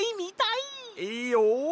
いいよ。